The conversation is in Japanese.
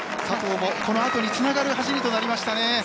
佐藤もこのあとにつながる走りとなりましたね。